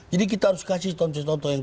jadi kita harus kasih contoh contoh yang